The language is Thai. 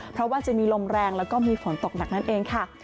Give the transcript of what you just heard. เพราะว่าจะมีลมแรงแล้วก็มีฝนตกหนักนั่นเองค่ะ